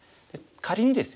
仮にですよ